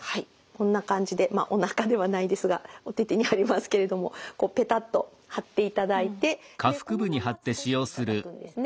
こんな感じでまあおなかではないですがお手々に貼りますけれどもこうペタッと貼っていただいてでこのまま過ごしていただくんですね。